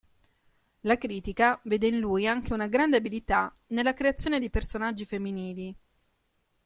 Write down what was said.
La critica vede in lui anche una grande abilità nella creazione dei personaggi femminili.